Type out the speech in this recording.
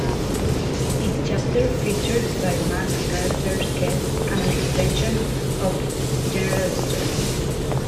Each chapter featured new maps, characters, quests, and an expansion of the general storyline.